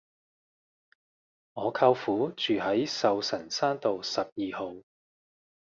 我舅父住喺壽臣山道十二號